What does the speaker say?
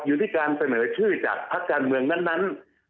อยู่ที่การเสนอชื่อจากพักการเมืองนั้น